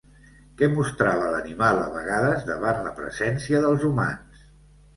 Què mostrava l'animal a vegades davant la presència dels humans?